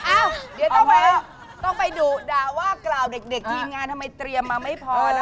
อ้าวเดี๋ยวต้องไปต้องไปดุด่าว่ากล่าวเด็กทีมงานทำไมเตรียมมาไม่พอล่ะ